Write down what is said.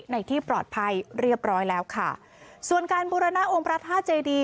ในที่ปลอดภัยเรียบร้อยแล้วค่ะส่วนการบูรณะองค์พระธาตุเจดี